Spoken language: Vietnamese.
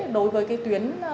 đối với cái tuyến